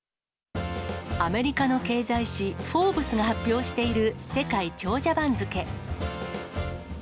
アメリカの経済誌、フォーブスが発表している世界長者番付。